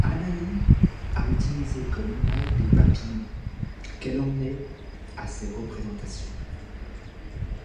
Anahí a utilisé comme image des papillons, qu'elle emmenait à ses représentations.